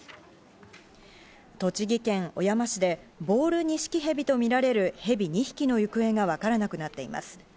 栃木県小山市でボールニシキヘビとみられるヘビ２匹の行方がわからなくなっています。